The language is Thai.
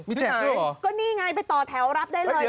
มีแจกอยู่ก็นี่ไงไปต่อแถวรับได้เลย